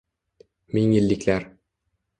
Ming yilliklar